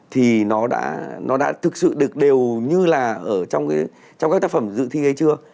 thì nó đã thực sự được đều như là ở trong các tác phẩm dự thi hay chưa